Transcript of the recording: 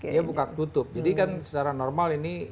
dia buka tutup jadi kan secara normal ini